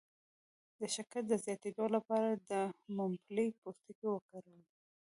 د شکر د زیاتیدو لپاره د ممپلی پوستکی وکاروئ